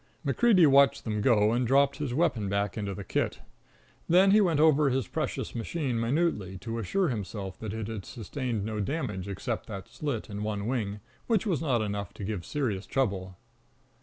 MacCreedy watched them go, and dropped his weapon back into the kit. Then he went over his precious machine minutely, to assure himself that it had sustained no damage except that slit in one wing, which was not enough to give serious trouble.